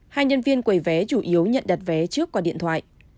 hai nhân viên quầy vé chủ yếu nhận đặt vé trước qua điện thoại